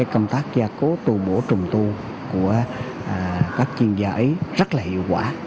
công tác gia cố tu bổ trùng tu của các chuyên gia ấy rất là hiệu quả